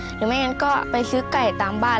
หรือไม่งั้นก็ไปซื้อไก่ตามบ้าน